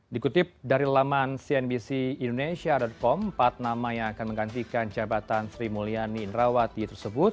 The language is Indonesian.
dikutip dari laman cnbc indonesia com empat nama yang akan menggantikan jabatan sri mulyani indrawati tersebut